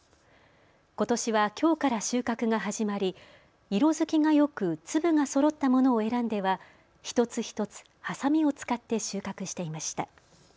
ことしはきょうから収穫が始まり色づきがよく粒がそろったものを選んでは一つ一つはさみを使って収穫していました。